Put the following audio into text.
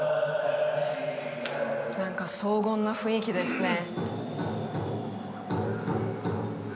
なんか荘厳な雰囲気ですね。